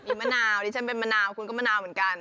มีมะนาวดิฉันเป็นมะนาวคุณก็มะนาวเหมือนกัน